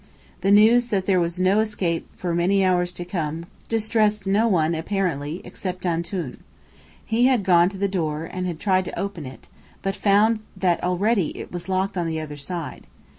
The news that there was no escape for many hours to come distressed no one apparently, except "Antoun." He had gone to the door, and tried to open it, but found that already it was locked on the other side.